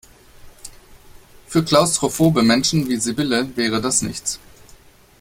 Für klaustrophobe Menschen wie Sibylle wäre das nichts.